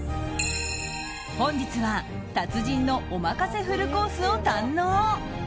本日は達人のお任せフルコースを堪能。